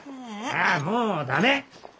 ああもう駄目！